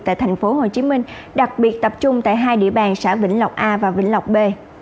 tại thành phố hồ chí minh đặc biệt tập trung tại hai địa bàn xã vĩnh lọc a và vĩnh lọc b